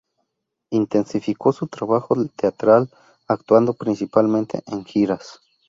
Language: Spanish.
Intensificó su trabajo teatral, actuando principalmente en giras.